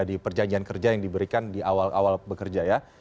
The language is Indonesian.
di perjanjian kerja yang diberikan di awal awal bekerja ya